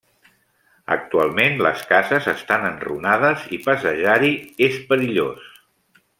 Actualment les cases estan enrunades i passejar-hi és perillós.